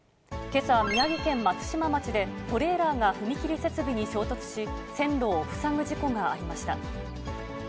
けさ、宮城県松島町で、トレーラーが踏切設備に衝突し、線路を塞ぐ事故がありました。